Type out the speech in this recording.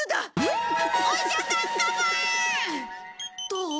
どう？